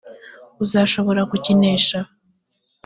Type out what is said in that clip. uzashobora kukinesha